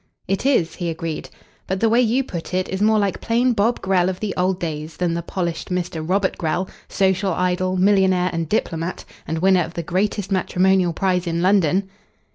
"It is," he agreed. "But the way you put it is more like plain Bob Grell of the old days than the polished Mr. Robert Grell, social idol, millionaire and diplomat, and winner of the greatest matrimonial prize in London."